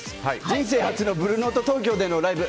人生初のブルーノート東京でのライブ。